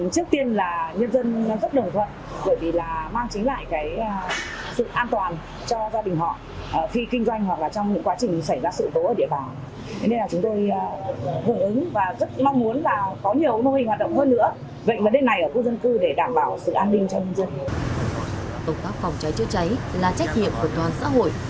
công tác phòng cháy chữa cháy là trách nhiệm của toàn xã hội